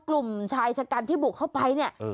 กลุ่มชายชะกันที่บุกเข้าไปเนี่ย